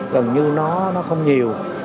gần như nó không nhiều